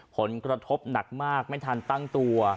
ผลกระทบหนักมากไม่ทันตั้งตัว